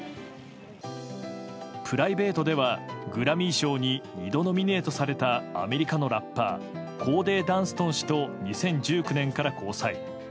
プライベートではグラミー賞に２度ノミネートされたアメリカのラッパーコーデー・ダンストン氏と２０１９年から交際。